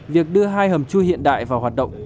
việc đưa hai hầm chui hiện đại vào hoạt động